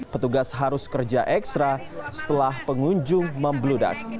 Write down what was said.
petugas harus kerja ekstra setelah pengunjung membludak